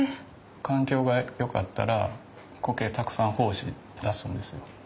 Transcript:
環境がよかったらコケたくさん胞子出すんですよ。